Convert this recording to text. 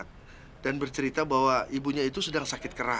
tu australia jangan sounds adi ntar